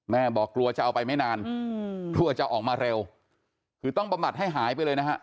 บอกกลัวจะเอาไปไม่นานกลัวจะออกมาเร็วคือต้องบำบัดให้หายไปเลยนะฮะ